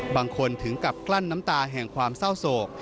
ถึงกับกลั้นน้ำตาแห่งความเศร้าโศก